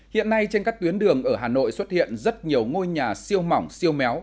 hiện nay trên các tuyến đường ở hà nội xuất hiện rất nhiều ngôi nhà siêu mỏng siêu méo